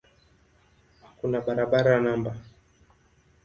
Kuna barabara no.